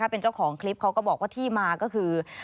เป็นเจ้าของคลิปเขาก็บอกว่าที่มาก็คือ